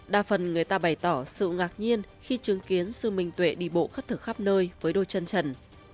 đa phần người ta bày tỏ sự ngạc nhiên khi chứng kiến sự minh tuệ đi bộ khất thực khắp nơi với đôi chân trần